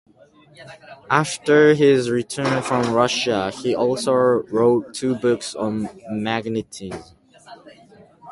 After his return from Russia he also wrote two books on magnetism.